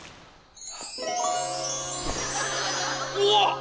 うわっ！